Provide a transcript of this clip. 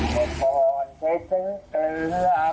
คุณผู้ชมคะพาไปที่สิบกว่าปีแล้ว